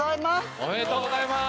おめでとうございます。